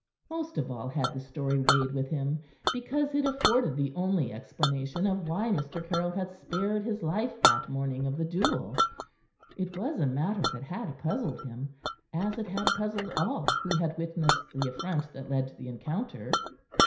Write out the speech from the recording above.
Most of all had the story weighed with him because it afforded the only explanation of why Mr. Caryll had spared his life that morning of the duel. It was a matter that had puzzled him, as it had puzzled all who had witnessed the affront that led to the encounter.